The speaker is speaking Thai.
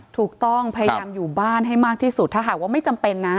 ถูกต้องพยายามอยู่บ้านให้มากที่สุดถ้าหากว่าไม่จำเป็นนะ